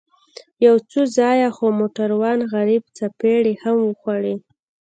يو څو ځايه خو موټروان غريب څپېړې هم وخوړې.